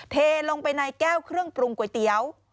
เทลงไปในแก้วเครื่องปรุงก๋วยเตี๋ยว